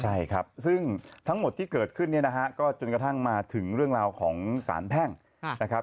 ใช่ครับซึ่งทั้งหมดที่เกิดขึ้นเนี่ยนะฮะก็จนกระทั่งมาถึงเรื่องราวของสารแพ่งนะครับ